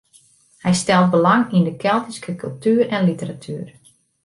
Hy stelt belang yn de Keltyske kultuer en literatuer.